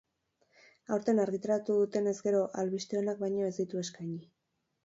Aurten argitaratu duenez gero, albiste onak baino ez ditu eskaini.